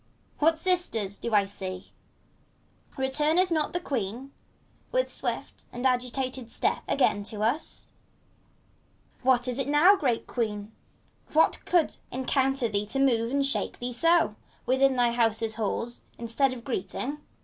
What, Sisters, do I see T Retumeth not the Queen With swift and agitated step again to usT What is it now, great Queen, what could encounter thee To move and shake thee so, within thy house's halls, Instead of greeting!